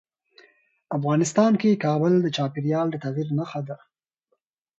افغانستان کې کابل د چاپېریال د تغیر نښه ده.